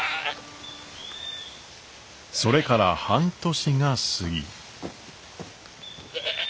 それから半年が過ぎ。